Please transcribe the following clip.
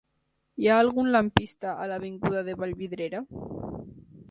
Hi ha algun lampista a l'avinguda de Vallvidrera?